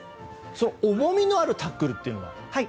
重みのあるタックルというのは？